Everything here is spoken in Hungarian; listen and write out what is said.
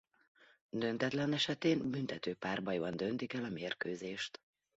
Döntetlen esetén büntető párbajban döntik el a mérkőzést.